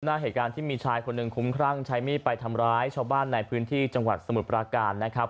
หน้าเหตุการณ์ที่มีชายคนหนึ่งคุ้มครั่งใช้มีดไปทำร้ายชาวบ้านในพื้นที่จังหวัดสมุทรปราการนะครับ